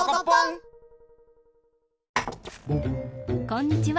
こんにちは。